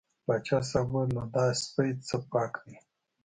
پاچا صاحب وویل نو دا سپی څه پاک دی.